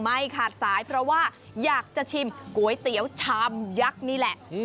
ไม่ขาดสายเพราะว่าอยากจะชิมก๋วยเตี๋ยวชามยักษ์นี่แหละ